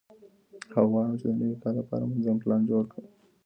او غواړم چې د نوي کال لپاره منظم پلان جوړ